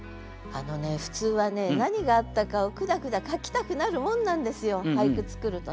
あのね普通はね何があったかをくだくだ書きたくなるもんなんですよ俳句作るとね。